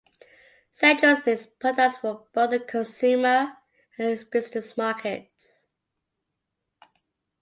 Xandros makes products for both the consumer and business markets.